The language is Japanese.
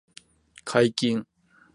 解禁